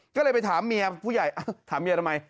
ก็เลยไปถามเมียผู้ใหญ่ถามเมียทำไม